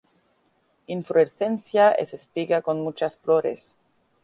Inflorescencias en espiga, con muchas flores.